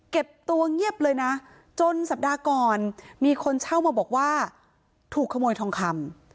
เก็บตัวเงียบเลยนะจนสัปดาห์ก่อนมีคนเช่ามาบอกว่าถูกขโมยทองคำ